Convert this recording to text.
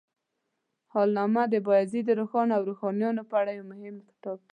حالنامه د بایزید روښان او روښانیانو په اړه یو مهم کتاب دی.